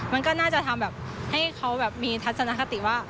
มันก็น่าจะทำแบบให้เขาแบบมีทัศนคติว่า